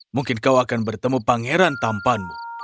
mungkin kau akan bertemu pangeran tampanmu